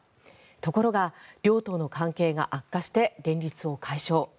ところが両党の関係が悪化して連立を解消。